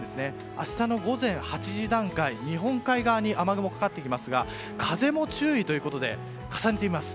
明日の午前８時段階、日本海側に雨雲がかかってきますが風も注意ということで重ねてみます。